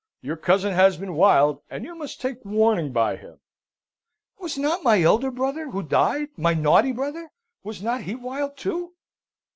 Your cousin has been wild, and you must take warning by him." "Was not my elder brother, who died my naughty brother was not he wild too?